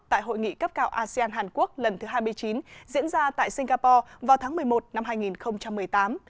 tại hội nghị cấp cao asean hàn quốc lần thứ hai mươi chín diễn ra tại singapore vào tháng một mươi một năm hai nghìn một mươi tám